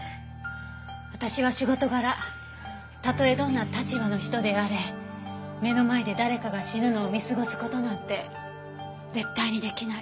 私は仕事柄たとえどんな立場の人であれ目の前で誰かが死ぬのを見過ごす事なんて絶対にできない。